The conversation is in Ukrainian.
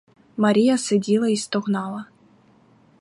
Марія сиділа й стогнала.